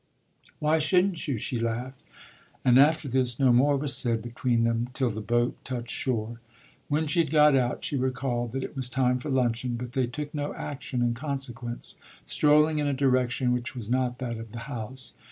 "Why shouldn't you?" she laughed; and after this no more was said between them till the boat touched shore. When she had got out she recalled that it was time for luncheon; but they took no action in consequence, strolling in a direction which was not that of the house.